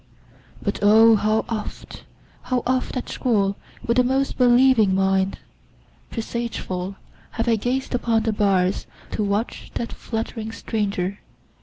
But O! how oft, How oft, at school, with most believing mind, Presageful, have I gazed upon the bars, To watch that fluttering stranger!